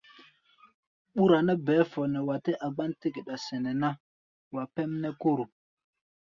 Ɓúra nɛ́ bɛɛ́ fɔ nɛ wa tɛ́ a gbán-té geɗa sɛnɛ ná, wa pɛ́m nɛ́ kóro.